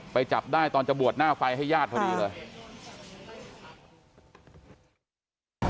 จับได้ตอนจะบวชหน้าไฟให้ญาติพอดีเลย